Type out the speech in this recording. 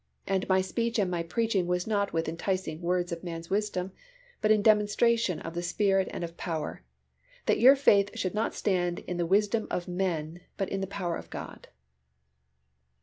And my speech and my preaching was not with enticing words of man's wisdom, but in demonstration of the Spirit and of power: That your faith should not stand in the wisdom of men, but in the power of God."